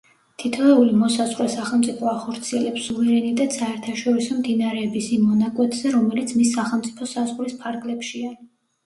თითოეული მოსაზღვრე სახელმწიფო ახორციელებს სუვერენიტეტს საერთაშორისო მდინარეების იმ მონაკვეთზე, რომელიც მის სახელმწიფო საზღვრის ფარგლებშია.